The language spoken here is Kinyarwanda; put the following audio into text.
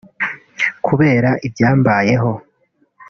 "Kubera ibyambayeho